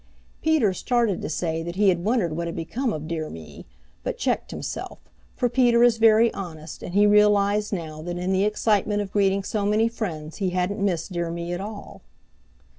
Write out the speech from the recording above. Peter started to say that he had wondered what had become of Dear Me, but checked himself, for Peter is very honest and he realized now that in the excitement of greeting so many friends he hadn't missed Dear Me at all.